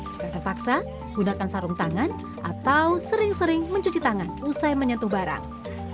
jika terpaksa gunakan sarung tangan atau sering sering mencuci tangan usai menyentuh barang